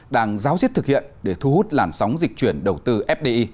đang ráo riết thực hiện để thu hút làn sóng dịch chuyển đầu tư fdi